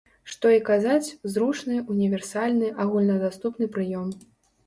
Што і казаць, зручны, універсальны, агульнадаступны прыём.